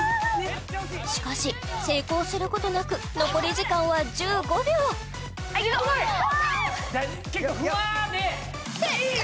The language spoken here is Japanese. しかし成功することなく残り時間は１５秒あ結構ふわっでいいよ！